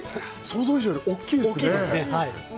想像以上に大きいですね。